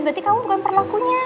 berarti kamu bukan perlakunya